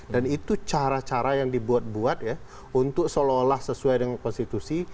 dan itu cara cara yang dibuat buat ya untuk seolah olah sesuai dengan konstitusi